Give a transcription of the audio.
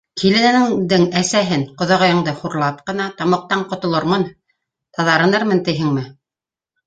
Киленеңдең әсәһен, ҡоҙағыйыңды, хурлап ҡына тамуҡтан ҡотолормон, таҙарынырмын тиһеңме?